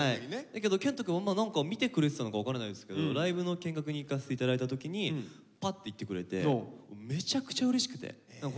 だけど健人くん何か見てくれてたのか分からないですけどライブの見学に行かせて頂いた時にパッて言ってくれてめちゃくちゃうれしくて。